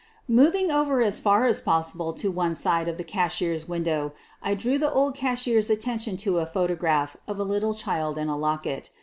Moving over as far as possible to one side of tho cashier's window, I drew the old cashier's attention to a photograph of a little child in a locket.